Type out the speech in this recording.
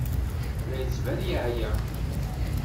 La d-yettban yeɛya.